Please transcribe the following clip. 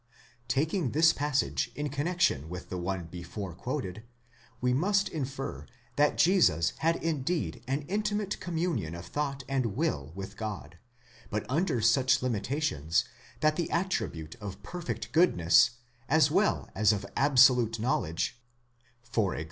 Taking this passage in connexion with the one before quoted, we must infer that Jesus had indeed an intimate communion of thought and will with God, but under such limitations, that the attribute of perfect goodness, as well as of absolute knowledge (e.g.